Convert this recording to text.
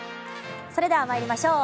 それでは参りましょう。